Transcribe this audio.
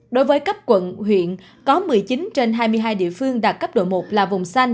đối với cấp quận huyện có một mươi chín trên hai mươi hai địa phương đạt cấp độ một là vùng xanh